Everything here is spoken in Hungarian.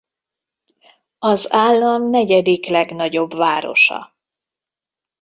Az állam negyedik legnagyobb városa.